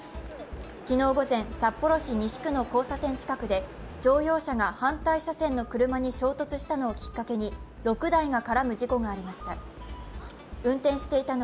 昨日午前、札幌市西区の交差点近くで乗用車が反対車線の車に衝突したのをきっかけに、６台が絡む事故がありました。